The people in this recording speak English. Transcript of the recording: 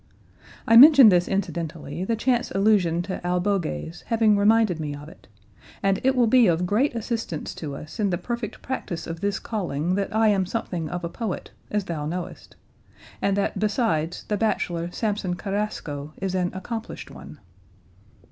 I mention this incidentally, the chance allusion to albogues having reminded me of it; and it will be of great assistance to us in the perfect practice of this calling that I am something of a poet, as thou knowest, and that besides the bachelor Samson Carrasco is an accomplished one.